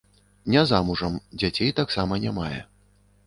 Не замужам, дзяцей таксама не мае.